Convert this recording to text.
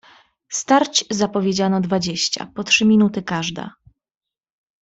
"Starć zapowiedziano dwadzieścia po trzy minuty każde."